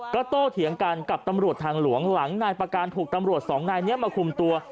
ก็โตเถียงกันกับตำรวจทางหลวงหลังนายประการถูกตำรวจสองนายนี้มาคุมตัว